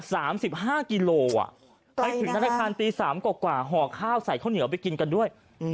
สามสิบห้ากิโลอ่ะไปถึงธนาคารตีสามกว่ากว่าห่อข้าวใส่ข้าวเหนียวไปกินกันด้วยอืม